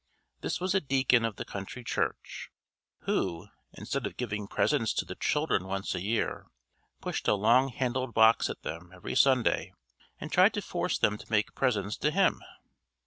This was a deacon of the country church, who instead of giving presents to the children once a year pushed a long handled box at them every Sunday and tried to force them to make presents to him!